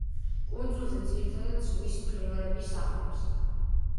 კუნძულზე ძირითადად ზღვის ფრინველები სახლობს.